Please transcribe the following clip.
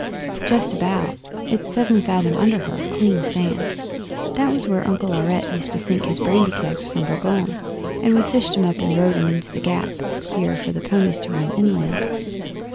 'Just about. It's seven fathom under her clean sand. That was where Uncle Aurette used to sink his brandy kegs from Boulogne, and we fished 'em up and rowed 'em into The Gap here for the ponies to run inland.